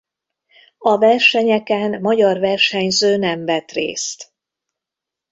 A versenyeken magyar versenyző nem vett részt.